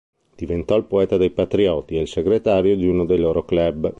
Diventò il poeta dei Patrioti e segretario di uno dei loro club.